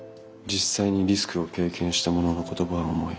実際にリスクを経験した者の言葉は重い。